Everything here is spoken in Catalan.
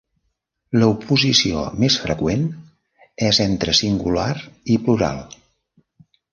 L'oposició més freqüent és entre singular i plural.